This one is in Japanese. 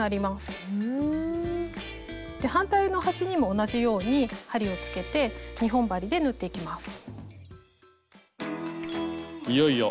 反対の端にも同じように針をつけて２本針で縫っていきます。